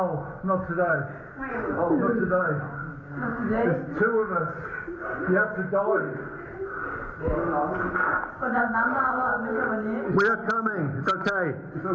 ค้นเศร้าจะออกแล้วจะมี